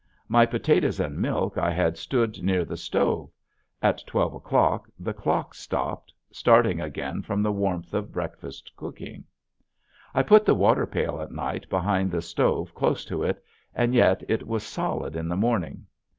My potatoes and milk I had stood near the stove. At twelve o'clock the clock stopped starting again from the warmth of breakfast cooking. I put the water pail at night behind the stove close to it, and yet it was solid in the morning.